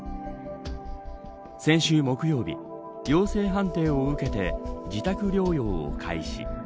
先週木曜日陽性判定を受けて自宅療養を開始。